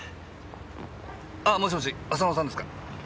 あぁもしもし浅野さんですか？